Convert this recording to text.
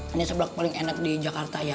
ini seblak paling enak di jakarta ya